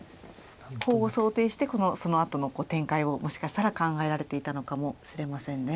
コウを想定してそのあとの展開をもしかしたら考えられていたのかもしれませんね。